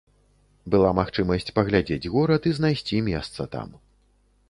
Была магчымасць паглядзець горад і знайсці месца там.